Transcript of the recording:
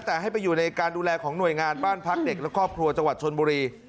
แต่ให้ไปอยู่ในการดูแลของหน่วยงานบ้านพักเด็กและครอบครัวจังหวัดชนบุรี